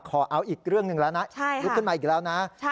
ขอเอาอีกเรื่องหนึ่งแล้วนะลุกขึ้นมาอีกแล้วนะ